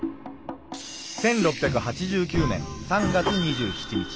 １６８９年３月２７日。